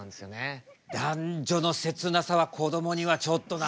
男女の切なさはこどもにはちょっとな。